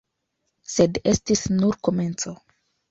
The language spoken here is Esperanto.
Sed estis nur komenco.